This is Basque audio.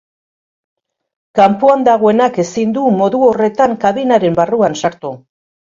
Kanpoan dagoenak ezin du modu horretan kabinaren barrura sartu.